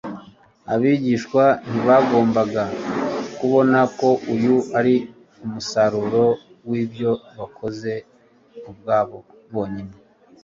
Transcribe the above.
Abigishwa ntibagombaga kubona ko uyu ari umusaruro w’ibyo bakoze ubwabo bonyine